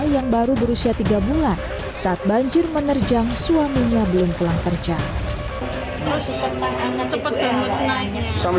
yang baru berusia tiga bulan saat banjir menerjang suaminya belum pulang kerja terus cepet banget